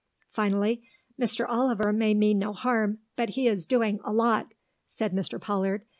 Finally, "Mr. Oliver may mean no harm, but he is doing a lot," said Mr. Pollard.